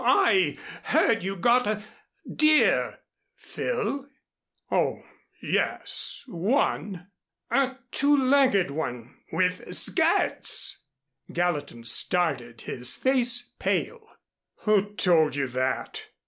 "I heard you got a deer, Phil." "Oh, yes, one " "A two legged one with skirts." Gallatin started his face pale. "Who told you that?"